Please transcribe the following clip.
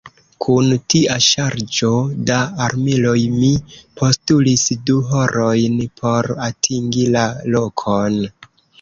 Kun tia ŝarĝo da armiloj mi postulis du horojn por atingi la lokon.